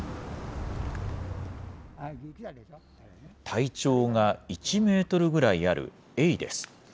体長が１メートルぐらいあるエイです。